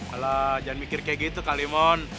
kalau jangan mikir kayak gitu kalimon